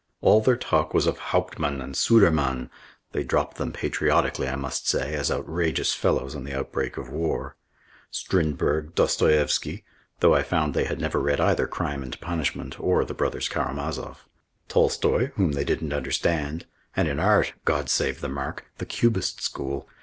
All their talk was of Hauptmann and Sudermann (they dropped them patriotically, I must say, as outrageous fellows, on the outbreak of war), Strindberg, Dostoievsky though I found they had never read either "Crime and Punishment" or "The Brothers Karamazoff" Tolstoi, whom they didn't understand; and in art God save the mark! the Cubist school.